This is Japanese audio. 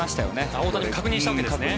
大谷を確認したわけですね。